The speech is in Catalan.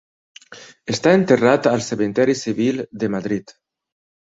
Està enterrat al Cementiri Civil de Madrid.